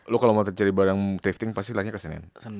lo kalo mau cari barang drifting pasti lagi ke senin